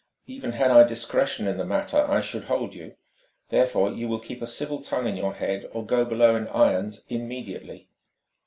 Even had I discretion in the matter, I should hold you. Therefore, you will keep a civil tongue in your head, or go below in irons immediately!"